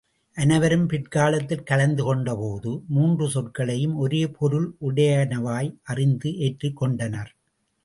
அனைவரும் பிற்காலத்தில் கலந்து கொண்டபோது, மூன்று சொற்களையும் ஒரே பொருள் உடையனவாய் அறிந்து ஏற்றுக்கொண்டனர்.